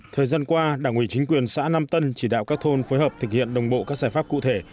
thời gian qua đảng ủy chính quyền xã nam tân chỉ đạo các thôn phối hợp thực hiện đồng bộ các giải pháp cụ thể